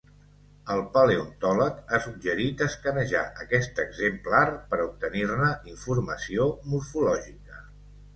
El paleontòleg ha suggerit escanejar aquest exemplar per obtenir-ne informació morfològica.